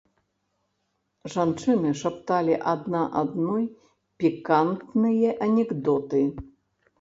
Жанчыны шапталі адна адной пікантныя анекдоты.